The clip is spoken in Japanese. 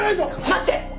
待って！